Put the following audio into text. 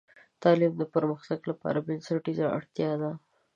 تعلیم د پرمختګ لپاره بنسټیزه اړتیا ده.